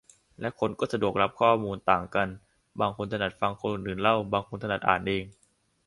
และคนก็สะดวกรับข้อมูลต่างกัน บางคนถนัดฟังคนอื่นเล่า บางคนถนัดอ่านเอง